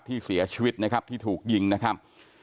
ที่เสียชีวิตนะครับที่ถูกยิงนะครับ